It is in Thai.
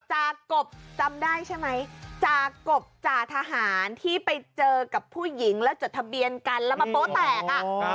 จากบจำได้ใช่ไหมจากบจ่าทหารที่ไปเจอกับผู้หญิงแล้วจดทะเบียนกันแล้วมาโป๊แตกอ่ะ